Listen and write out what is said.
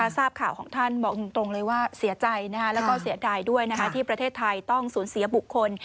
ทราบข่าวของท่านบอกตรงเลยว่าเสียใจแล้วก็เสียดายด้วยที่ประเทศไทยต้องสูญเสียบุคคล